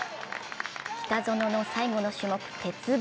北園の最後の種目、鉄棒。